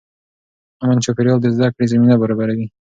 امن چاپېریال د زده کړې زمینه برابروي.